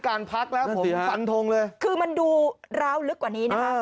การพักแล้วผมฟันทงเลยคือมันดูร้าวลึกกว่านี้นะคะ